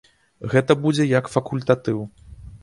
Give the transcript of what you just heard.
Гэта будзе як факультатыў.